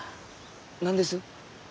何です？